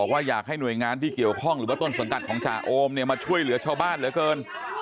ว่าอยากให้หน่วยงานที่เกี่ยวข้องหรือว่าต้นสังกัดของจ่าโอมเนี่ยมาช่วยเหลือชาวบ้านเหลือเกิน